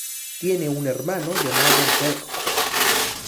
Tiene un hermano llamado Veljko.